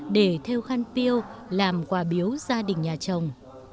để theo khăn piêu làm quà biếu gia đình nhà chồng